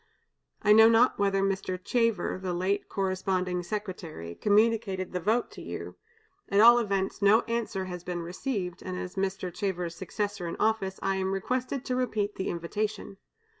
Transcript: I know not whether Mr. Chever, the late corresponding secretary, communicated the vote to you; at all events, no answer has been received, and as Mr. Chever's successor in office, I am requested to repeat the invitation.